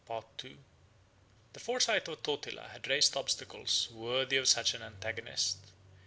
—Part II. The foresight of Totila had raised obstacles worthy of such an antagonist.